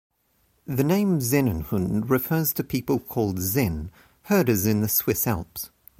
The name Sennenhund refers to people called "Senn", herders in the Swiss Alps.